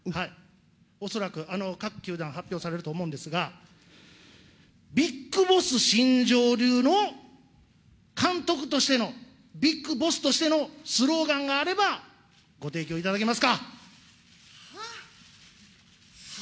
恐らく各球団発表されると思うんですが、ビッグボス新庄流の監督としての、ビッグボスとしてのスローガンがあれば、ご提供いただけますか。は？